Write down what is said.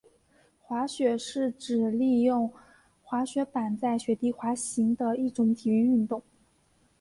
滑雪是指利用滑雪板在雪地滑行的一种体育运动。